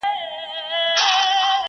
دوستان او وطنوال دي جهاني خدای په امان که!